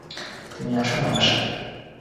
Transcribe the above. তুমি আসো না আমার সাথে।